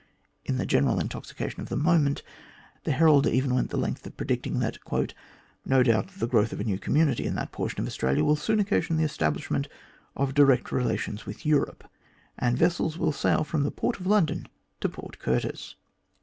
In the general intoxication of the moment, the Herald even went the length of predicting that "no doubt the growth of a new community in that portion of Australia will soon occasion the establishment of direct relations with Europe, and vessels will sail from the port of London to Port Curtis."